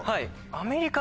アメリカ